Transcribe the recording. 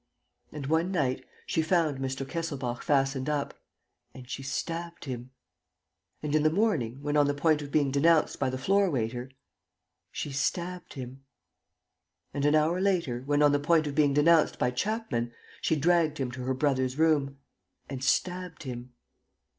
And, one night, she found Mr. Kesselbach fastened up ... and she stabbed him. And, in the morning, when on the point of being denounced by the floor waiter ... she stabbed him. And, an hour later, when on the point of being denounced by Chapman, she dragged him to her brother's room ... and stabbed him.